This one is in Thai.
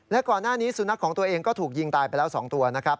และก่อนหน้านี้สุนัขของตัวเองก็ถูกยิงตายไปแล้ว๒ตัวนะครับ